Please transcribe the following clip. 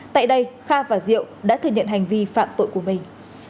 tại đây kha và diệu đã thừa nhận hành vi phạm tội của mình